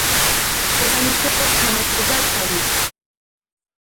შესანიშნავად თამაშობდა თავით.